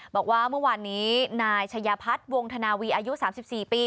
บอกว่าเมื่อวานนี้นายชัยพัฒน์วงธนาวีอายุ๓๔ปี